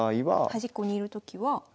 端っこにいるときは。